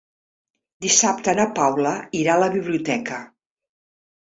Dissabte na Paula irà a la biblioteca.